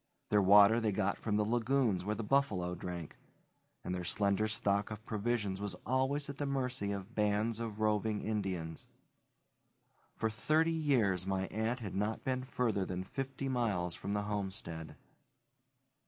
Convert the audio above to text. Their water they got from the lagoons where the buffalo drank, and their slender stock of provisions was always at the mercy of bands of roving Indians. For thirty years my aunt had not been further than fifty miles from the homestead.